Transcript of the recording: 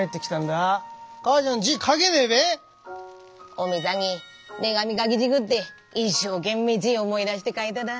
おめさんに手紙書きたぐって一生懸命字思い出して書いただ。